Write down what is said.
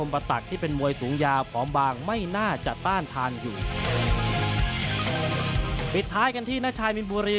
ปิดท้ายกันที่นชายมินบุรี